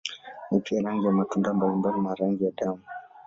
Ni pia rangi ya matunda mbalimbali na rangi ya damu.